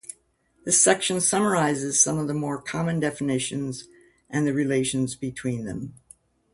This section summarizes some of the more common definitions and the relations between them.